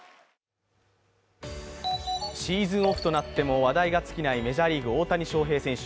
シーズンオフとなっても話題が尽きないメジャーリーグ・大谷翔平選手。